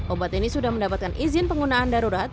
obat ini sudah mendapatkan izin penggunaan darurat